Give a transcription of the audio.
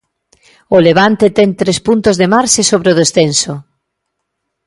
O Levante ten tres puntos de marxe sobre o descenso.